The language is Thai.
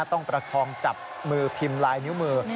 ประคองจับมือพิมพ์ลายนิ้วมือ